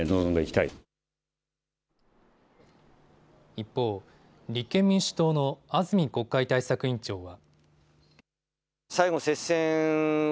一方、立憲民主党の安住国会対策委員長は。